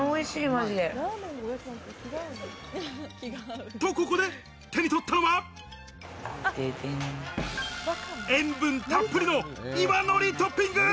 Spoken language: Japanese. マジで。と、ここで手に取ったのは、塩分たっぷりの、岩のりトッピング。